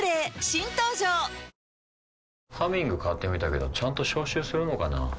新登場「ハミング」買ってみたけどちゃんと消臭するのかな？